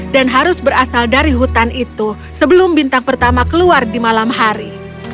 dan harus berasal dari hutan itu sebelum bintang pertama keluar di malam hari